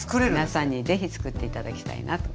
皆さんに是非つくって頂きたいなと。